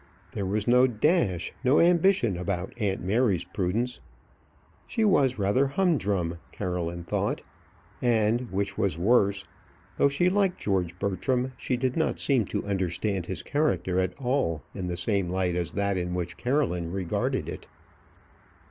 There was no dash, no ambition about aunt Mary's prudence. She was rather humdrum, Caroline thought; and, which was worse, though she liked George Bertram, she did not seem to understand his character at all in the same light as that in which Caroline regarded it.